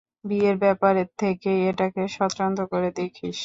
বিয়ের ব্যাপার থেকে এটাকে স্বতন্ত্র করে দেখিস।